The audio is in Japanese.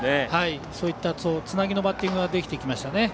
そういったつなぎのバッティングができてきましたね。